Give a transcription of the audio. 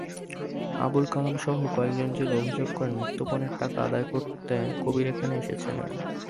আবুল কালামসহ কয়েকজন জেলে অভিযোগ করেন, মুক্তিপণের টাকা আদায় করতে কবির এখানে এসেছিলেন।